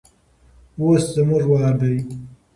اوس زموږ وار دی.